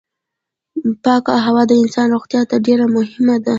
پاکه هوا د انسان روغتيا ته ډېره مهمه ده.